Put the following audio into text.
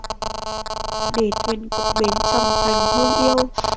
Để thuyền cập bến chòng trành hương yêu